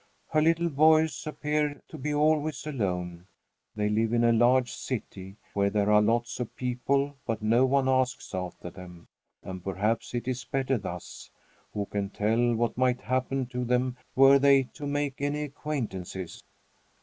Her little boys appear to be always alone. They live in a large city, where there are lots of people, but no one asks after them. And perhaps it is better thus. Who can tell what might happen to them were they to make any acquaintances?